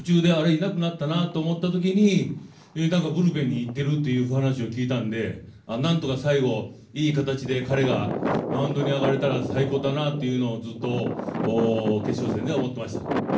いなくなったなと思った時にブルペンに行っているという話を聞いたので何とか最後、いい形で彼がマウンドに上がれたら最高だなというのをずっと決勝戦では思っていました。